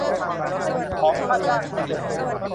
ของค่าจ้างจริง